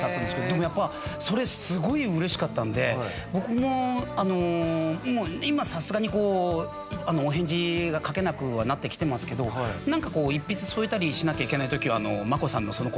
でもやっぱそれすごい嬉しかったんで僕もあのもう今さすがにこうお返事が書けなくはなってきてますけどなんかこう一筆添えたりしなきゃいけない時は。